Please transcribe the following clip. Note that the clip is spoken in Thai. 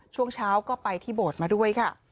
ช่วงเช้าก็ไปที่โบสถ์มาด้วยค่ะ